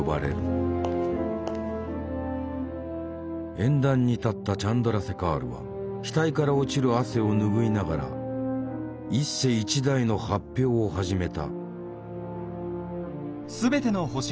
演壇に立ったチャンドラセカールは額から落ちる汗を拭いながら一世一代の発表を始めた。